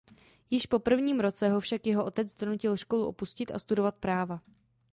Již po prvním roce ho však jeho otec donutil školu opustit a studovat práva.